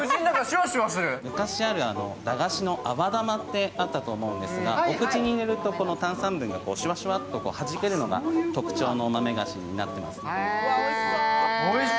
昔ある、駄菓子の泡玉って合ったと思うんですが、お口に入れると、炭酸分がシュワシュワっと弾けるのが特徴の豆菓子になっています。